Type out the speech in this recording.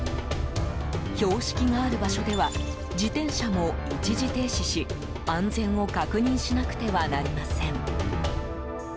標識がある場所では自転車も一時停止し安全を確認しなくてはなりません。